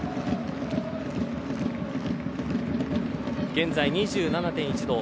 現在２７．１度。